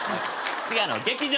次劇場。